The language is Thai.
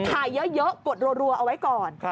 ถ่ายเยอะกดรัวเอาไว้ก่อน